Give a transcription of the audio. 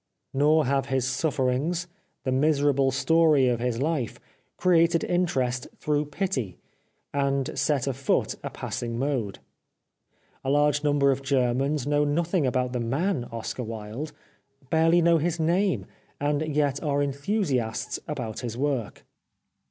Nor have his sufferings, the miserable story of his life, created interest through pity, and set afoot a passing mode. A large number of Germans know nothing about the man Oscar Wilde, barely know his name, and yet are enthusiasts about his work.